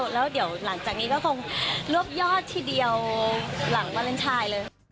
แล้วเดี๋ยวหลังจากนี้ก็คงรวบยอดทีเดียวหลังวาเลนไทยเลย